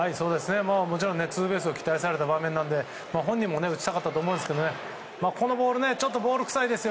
もちろんツーベースを期待された場面なので本人も打ちたかったと思うんですけどこのボール、ボールくさいです。